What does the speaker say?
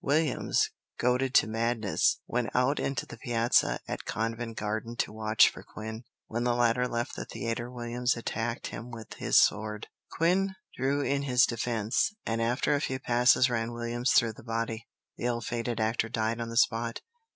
Williams, goaded to madness, went out into the piazza at Covent Garden to watch for Quin. When the latter left the theatre Williams attacked him with his sword. Quin drew in his defence, and after a few passes ran Williams through the body. The ill fated actor died on the spot.